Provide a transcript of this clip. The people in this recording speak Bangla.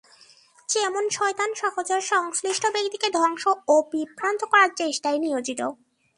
যেমন শয়তান সহচর সংশ্লিষ্ট ব্যক্তিকে ধ্বংস ও বিভ্রান্ত করার চেষ্টায় নিয়োজিত।